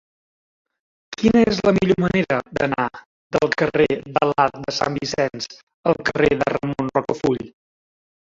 Quina és la millor manera d'anar del carrer de l'Arc de Sant Vicenç al carrer de Ramon Rocafull?